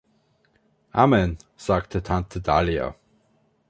„Amen“, sagte Tante Dahlia.